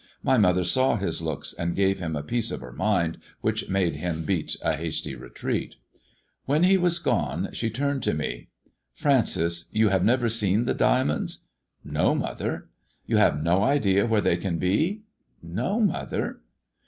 My mother saw his looks, and gave him a piece of her mind which made him beat a hasty retreat. When he was gone, she turned to me — THE DEAD MAN'S DIAMONDS 203 " Franpis ! you have never seen the diamonds 1 "" No, mother." " You have no idea where they can heV " No, mother."